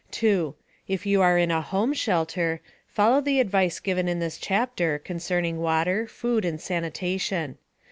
2. If you are in a home shelter, follow the advice given in this chapter concerning water, food and sanitation.